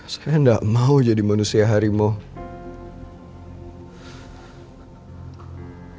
saya tidak mau jadi manusia harimau